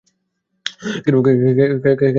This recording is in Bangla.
কেন দোমনা হচ্ছিস বল তো পরাণ?